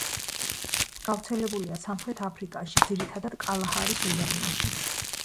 გავრცელებულია სამხრეთ აფრიკაში, ძირითადად კალაჰარის უდაბნოში.